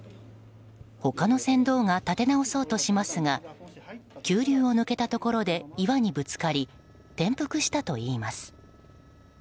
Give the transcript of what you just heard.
他の船頭が立て直そうとしますが急流を抜けたところで岩にぶつかり転覆したといいます。